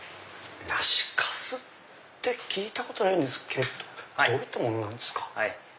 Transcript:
梨粕って聞いたことないんですけどどういったものなんですか？